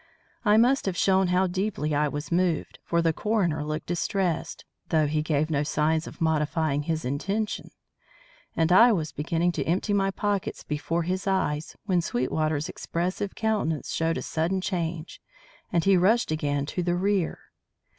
I must have shown how deeply I was moved, for the coroner looked distressed, though he gave no signs of modifying his intention, and I was beginning to empty my pockets before his eyes, when Sweetwater's expressive countenance showed a sudden change, and he rushed again to the rear.